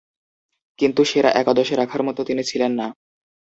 কিন্তু, সেরা একাদশে রাখার মতো তিনি ছিলেন না।